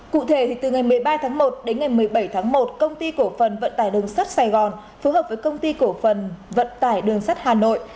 cụ thể từ ngày một mươi ba tháng một đến ngày một mươi bảy tháng một công ty cổ phần vận tải đường sắt sài gòn phối hợp với công ty cổ phần vận tải đường sắt hà nội